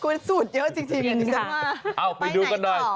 คุณฝุ่นเยอะจริงค่ะไปไหนต่ออ้าวไปดูกันหน่อย